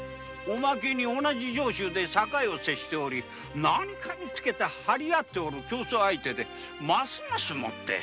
おまけに同じ上州で境を接しており何かにつけて張り合っている競争相手でございまして。